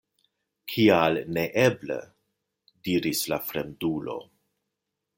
Kial neeble? diris la fremdulo.